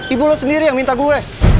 ibu lo sendiri yang minta gue